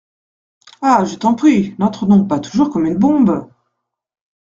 Ah ! je t’en prie, n’entre donc pas toujours comme une bombe !…